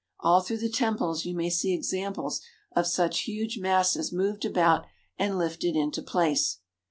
All through the temples you may see examples of such huge masses moved about and lifted into place.